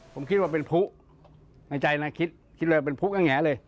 ผมคิดว่าเป็นผูกในใจนะคิดผมเลยว่าเป็นผูกแค่งานเลย